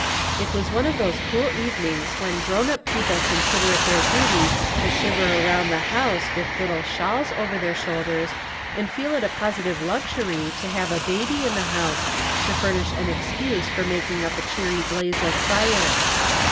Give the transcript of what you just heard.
It was one of those cool evenings when grown up people consider it their duty to shiver around the house with little shawls over their shoulders, and feel it a positive luxury to have a baby in the house, to furnish an excuse for making up a cheery blaze of fire.